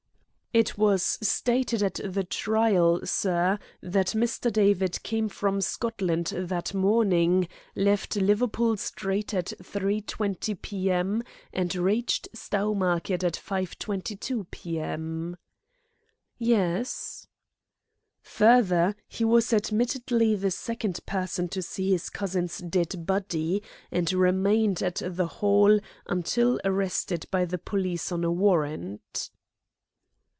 "It was stated at the trial, sir, that Mr. David came from Scotland that morning, left Liverpool Street at 3.20 p.m., and reached Stowmarket at 5.22 p.m." "Yes." "Further, he was admittedly the second person to see his cousin's dead body, and remained at the Hall until arrested by the police on a warrant."